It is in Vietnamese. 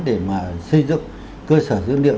để mà xây dựng cơ sở dưỡng liệu